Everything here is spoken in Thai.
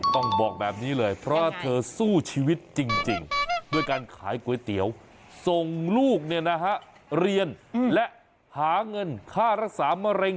ต้องบอกแบบนี้เลยเพราะว่าเธอสู้ชีวิตจริงด้วยการขายก๋วยเตี๋ยวส่งลูกเรียนและหาเงินค่ารักษามะเร็ง